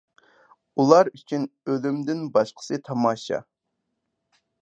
ئۇلار ئۈچۈن ئۆلۈمدىن باشقىسى تاماشا.